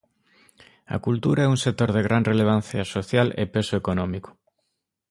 A cultura e un sector de gran relevancia social e peso económico.